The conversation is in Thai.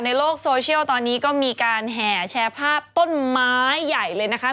ในโลกโซเชียลตอนนี้ก็มีการแห่แชร์ภาพต้นไม้ใหญ่เลยนะคะ